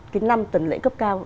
cái năm tuần lễ cấp cao